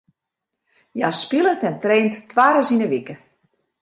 Hja spilet en traint twaris yn de wike.